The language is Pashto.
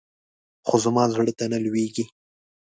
خو زما زړه ته نه لوېږي.